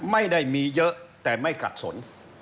ไม่ได้มีเยอะแต่ไม่ขัดสน